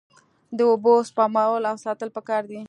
د اوبو سپمول او ساتل پکار دي.